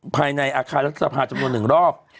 ภายในอาคารรัฐสภาจำนวน๑รอบ